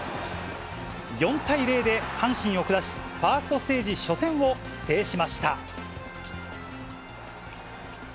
４対０で阪神を下し、ファーストステージ初戦を制しました。